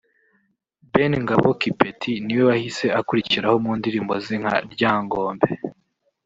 Ben Ngabo Kipeti ni we wahise ukurikiraho mu ndirimbo ze nka ‘Ryangombe